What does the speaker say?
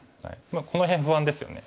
この辺不安ですよね。